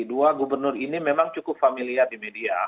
dua gubernur ini memang cukup familiar di media